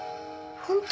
本当？